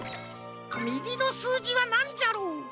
みぎのすうじはなんじゃろう？